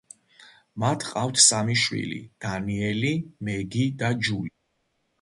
მათ ყავთ სამი შვილი: დანიელი, მეგი და ჯული.